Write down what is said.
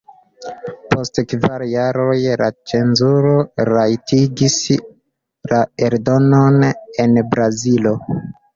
Post kvar jaroj la cenzuro rajtigis la eldonon en Brazilo.